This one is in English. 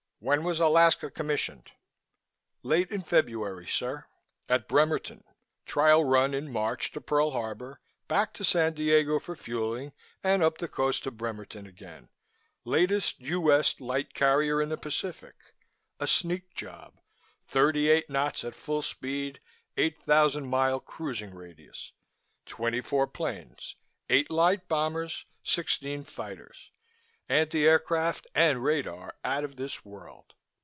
When was Alaska commissioned?" "Late in February, sir! At Bremerton. Trial run in March to Pearl Harbor, back to San Diego for fueling and up the coast to Bremerton again. Latest U.S. light carrier in the Pacific. A sneak job. 38 knots at full speed, 8,000 mile cruising radius. Twenty four planes eight light bombers, sixteen fighters. Anti aircraft and radar out of this world."